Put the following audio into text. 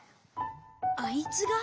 あいつが？